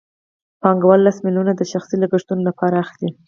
پانګوال لس میلیونه د شخصي لګښتونو لپاره اخلي